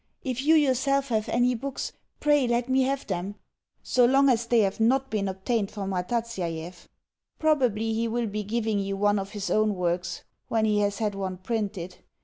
If you yourself have any books, pray let me have them so long as they have not been obtained from Rataziaev. Probably he will be giving you one of his own works when he has had one printed.